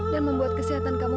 dan membuat kesehatan kamu